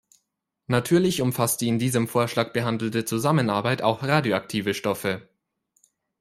Natürlich umfasst die in diesem Vorschlag behandelte Zusammenarbeit auch radioaktive Stoffe.